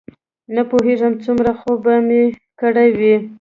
نه پوهېږم څومره خوب به مې کړی وي.